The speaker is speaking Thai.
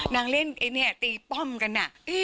นางเล่นตีป้อมกันนะ